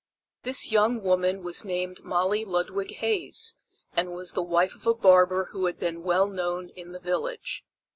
This young woman was named Molly Ludwig Hays, and was the wife of a barber who had been well known in the village.